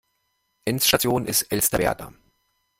Endstation ist Elsterwerda.